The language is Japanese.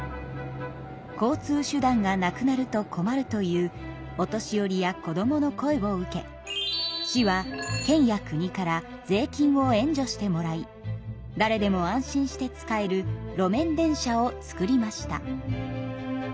交通手段がなくなると困るというお年寄りや子どもの声を受け市は県や国から税金を援助してもらいだれでも安心して使える路面電車を作りました。